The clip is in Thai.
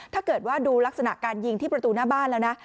ถ้าเกิดว่าดูลักษณะการยิงที่ประตูหน้าบ้านแล้วนะ